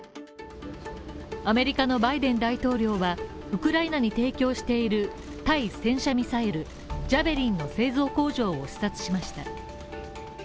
アメリカのバイデン大統領はウクライナに提供している対戦車ミサイルジャベリンの製造工場を視察しました。